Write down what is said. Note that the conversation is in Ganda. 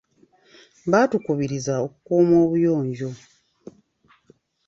Baatukubirizza okukuuma obuyonjo.